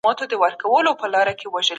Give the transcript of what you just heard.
د زده کړي مخنیوی د هېواد د پرمختګ مخه نیسي.